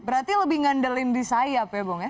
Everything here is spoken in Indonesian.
berarti lebih ngandelin di sayap ya bung ya